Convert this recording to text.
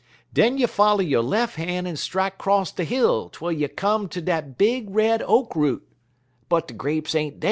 Den you follow yo' lef' han' en strike 'cross de hill twel you come ter dat big red oak root but de grapes ain't dar.